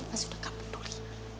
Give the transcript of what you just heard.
mas udah gak peduli